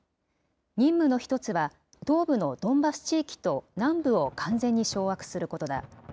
任務の一つは、東部のドンバス地域と南部を完全に掌握することだ。